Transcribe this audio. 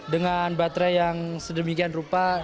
dengan baterai yang sedemikian rupa